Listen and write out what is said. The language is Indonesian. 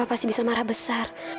pasti bisa marah besar